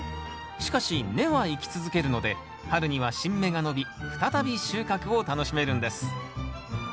しかし根は生き続けるので春には新芽が伸び再び収穫を楽しめるんです。